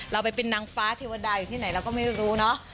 เราไปเป็นนางฟ้าเทวดาอยู่ที่ไหนเราก็ไม่รู้เนอะ